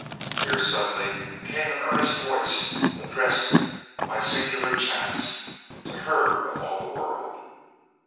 Here suddenly came an earnest voice addressed, by singular chance, to her of all the world.